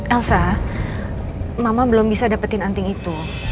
elsa mama belum bisa dapetin anting itu